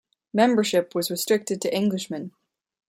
Membership was restricted to Englishmen.